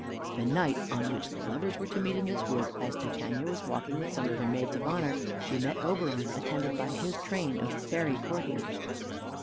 The night on which the lovers were to meet in this wood, as Titania was walking with some of her maids of honor, she met Oberon attended by his train of fairy courtiers.